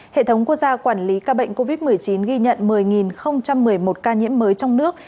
hệ thống quốc gia quản lý ca bệnh covid một mươi chín ghi nhận một mươi một mươi một ca nhiễm mới trong nước